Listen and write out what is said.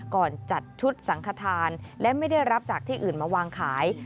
จัดชุดสังขทานและไม่ได้รับจากที่อื่นมาวางขาย